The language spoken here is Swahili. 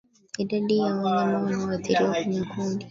Idadi ya wanyama wanaoathiriwa kwenye kundi